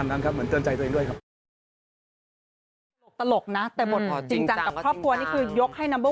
ราคาเท่าไหร่